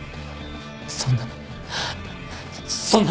そんなそんな。